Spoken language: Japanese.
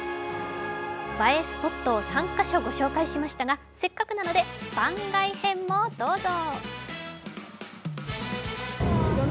映えスポットを３か所ご紹介しましたが、せっかくなので番外編もどうぞ。